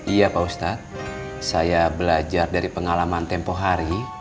iya pak ustadz saya belajar dari pengalaman tempoh hari